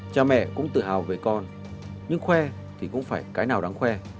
cha mẹ cũng tự hào về con nhưng khoe thì cũng phải cái nào đáng khoe